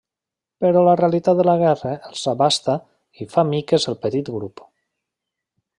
Però la realitat de la guerra els abasta i fa miques el petit grup.